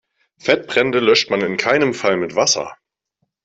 Fettbrände löscht man in keinem Fall mit Wasser.